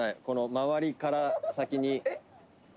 この周りから先に」